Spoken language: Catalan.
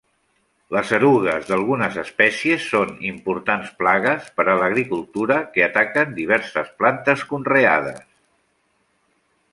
Les erugues d'algunes espècies són importants plagues per a l'agricultura que ataquen diverses plantes conreades.